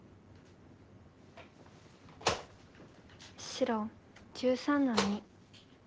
白１３の二。